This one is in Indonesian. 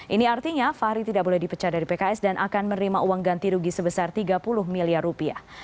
ini artinya fahri tidak boleh dipecah dari pks dan akan menerima uang ganti rugi sebesar tiga puluh miliar rupiah